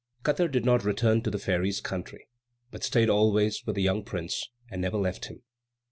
Katar did not return to the fairies' country, but stayed always with the young prince, and never left him.